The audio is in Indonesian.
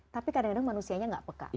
tapi kadang kadang manusianya nggak peka